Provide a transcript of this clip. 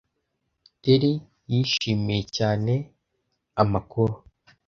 Terry yishimiye cyane amakuru.